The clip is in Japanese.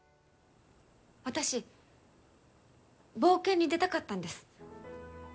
私冒険に出たかったんです。